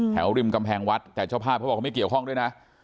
ริมกำแพงวัดแต่เจ้าภาพเขาบอกเขาไม่เกี่ยวข้องด้วยนะ